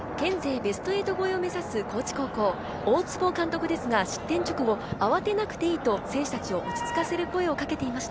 ベスト８超えを目指す高知高校、大坪監督ですが失点直後、慌てなくていいと選手たちを落ち着かせる声をかけていました。